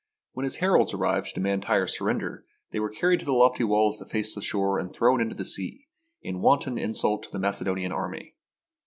When his heralds arrived to demand Tyre's surrender, they were carried to the lofty walls that faced the shore and thrown into the sea, in wanton insult to the Macedonian army.